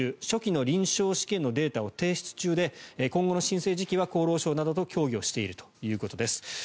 初期の臨床試験のデータを提出中で今後の申請時期は厚労省などと協議をしているということです。